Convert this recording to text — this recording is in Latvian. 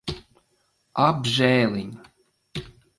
Apžēliņ.